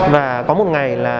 và có một ngày là